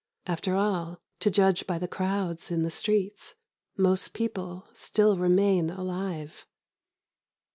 After all, to judge by the crowds in the streets, most people still remain alive.